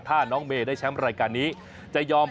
ก็อย่าลืมให้กำลังใจเมย์ในรายการต่อไปนะคะ